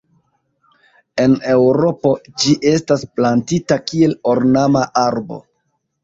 En Eŭropo ĝi estas plantita kiel ornama arbo.